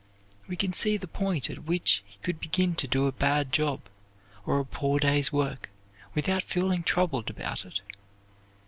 We can see the point at which he could begin to do a bad job or a poor day's work without feeling troubled about it.